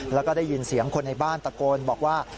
แล้วก็ได้ยินเสียงคนในบ้านตะโกนบอกว่า